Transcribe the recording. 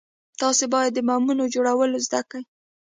تاسې بايد د بمونو جوړول زده کئ.